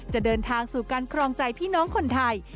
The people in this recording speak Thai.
จะเดินทางสู่การครองใจพี่น้องคนไทย